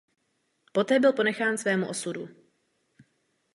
Poté byl ponechán svému osudu.